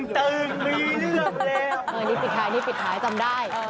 นี่ปิดท้ายนี่ปิดท้ายจำได้